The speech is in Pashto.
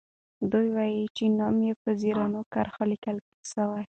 دوي وايي چې نوم یې په زرینو کرښو لیکل سوی.